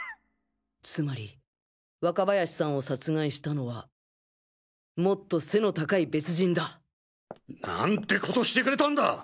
つまり若林さんを殺害したのはもっと背の高い別人だ！なんてことしてくれたんだ！